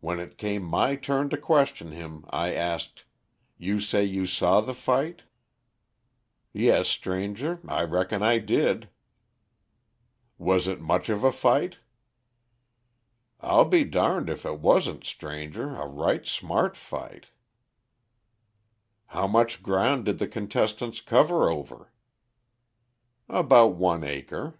When it came my turn to question him, I asked: 'You say you saw the fight?' 'Yes, stranger, I reckon I did'. 'Was it much of a fight?' 'I'll be darned if it wasn't stranger, a right smart fight'. 'How much ground did the contestants cover over?' 'About one acre'.